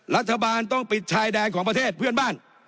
รัฐบาลต้องปิดชายแดนของประเทศเพื่อนบ้าน